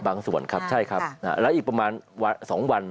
ส่วนครับใช่ครับแล้วอีกประมาณ๒วัน